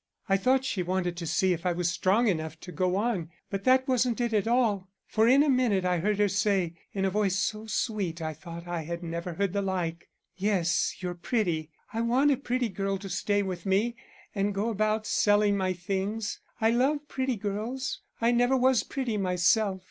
I thought she wanted to see if I was strong enough to go on, but that wasn't it at all, for in a minute I heard her say, in a voice so sweet I thought I had never heard the like, 'Yes, you're pretty; I want a pretty girl to stay with me and go about selling my things. I love pretty girls; I never was pretty myself.